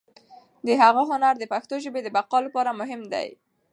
د هغه هنر د پښتو ژبې د بقا لپاره مهم دی.